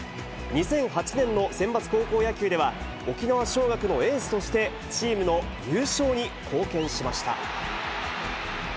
２００８年のセンバツ高校野球では、沖縄尚学のエースとして、チームの優勝に貢献しました。